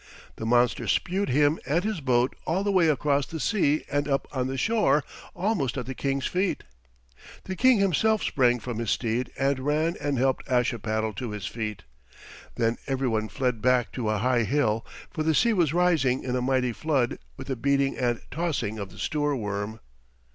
The monster spewed him and his boat all the way across the sea and up on the shore, almost at the King's feet. The King himself sprang from his steed and ran and helped Ashipattle to his feet. Then every one fled back to a high hill, for the sea was rising in a mighty flood with the beating and tossing of the Stoorworm.